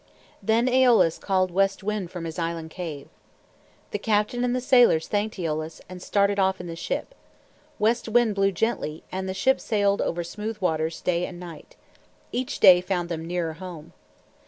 Then Eolus called West Wind from his island cave. The captain and the sailors thanked Eolus and started off in the ship. West Wind blew gently, and the ship sailed over smooth waters day and night. Each day found them nearer home.